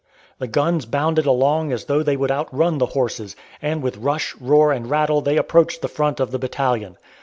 The guns bounded along as though they would outrun the horses, and with rush, roar, and rattle they approached the front of the battalion.